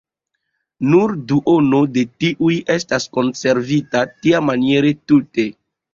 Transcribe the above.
Nur duono de tiuj estas konservita tiamaniere tute.